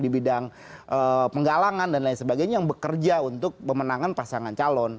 di bidang penggalangan dan lain sebagainya yang bekerja untuk pemenangan pasangan calon